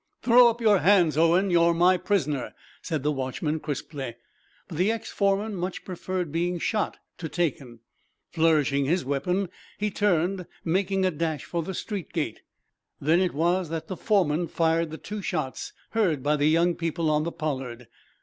"Throw up your hands, Owen. You're my prisoner," said the watchman, crisply. But the ex foreman much preferred being shot to taken. Flourishing his weapon, he turned, making a dash for the street gate. Then it was that the foreman fired the two shots heard by the young people on the "Pollard."